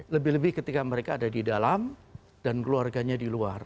lebih lebih ketika mereka ada di dalam dan keluarganya di luar